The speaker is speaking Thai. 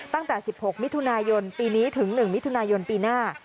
ตั้งแต่๑๖มิถุนายนปีนี้ถึง๑มิถุนายนปีหน้า